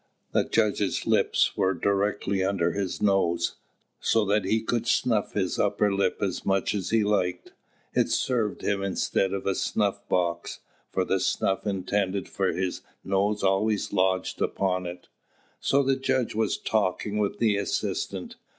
The judge's lips were directly under his nose, so that he could snuff his upper lip as much as he liked. It served him instead of a snuff box, for the snuff intended for his nose almost always lodged upon it. So the judge was talking with the assistant.